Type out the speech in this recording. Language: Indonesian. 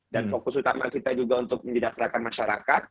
dan fokus utama kita juga untuk mendidakratkan masyarakat